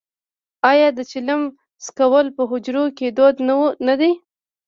آیا د چلم څکول په حجرو کې دود نه دی؟